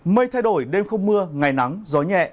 mây thay đổi đêm không mưa ngày nắng gió nhẹ